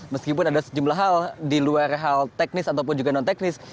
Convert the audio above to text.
meskipun ada sejumlah hal di luar hal teknis ataupun juga non teknis